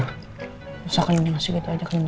nggak usah kening nasi gitu aja kenyang